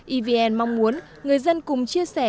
evn mong muốn người dân cùng chia sẻ